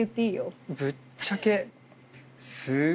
ぶっちゃけ。